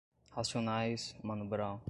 Racionais, Mano Brown